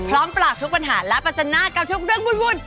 พร้อมปรากศุกร์ปัญหาและปัจจนากับทุกเรื่องวุ่น